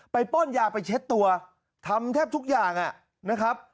ป้นยาไปเช็ดตัวทำแทบทุกอย่างนะครับ